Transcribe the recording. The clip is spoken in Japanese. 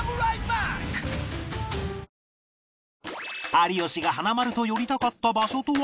有吉が華丸と寄りたかった場所とは